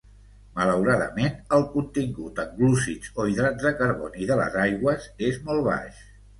Malauradament el contingut en glúcids o hidrats de carboni de les algues és molt baix.